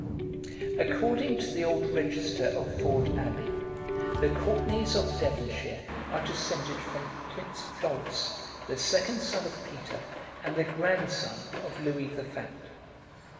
According to the old register of Ford Abbey, the Courtenays of Devonshire are descended from Prince Florus, the second son of Peter, and the grandson of Louis the Fat.